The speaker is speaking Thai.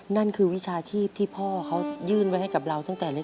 นั่นคือวิชาชีพที่พ่อเขายื่นไว้ให้กับเราตั้งแต่เล็ก